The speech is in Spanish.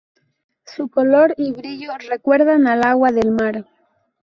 Su color y brillo recuerdan al agua del mar.